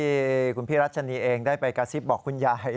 ที่คุณพี่รัชนีเองได้ไปกระซิบบอกคุณยาย